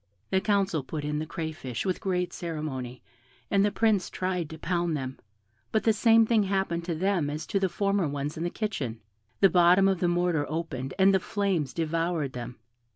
The council put in the crayfish with great ceremony, and the Prince tried to pound them; but the same thing happened to them as to the former ones in the kitchen the bottom of the mortar opened and the flames devoured them.